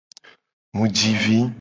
Mu ji vi.